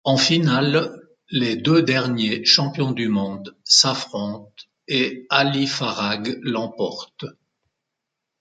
En finale, les deux derniers champions du monde s'affrontent et Ali Farag l'emporte.